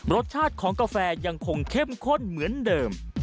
รสชาติของกาแฟยังคงเข้มข้นเหมือนเดิม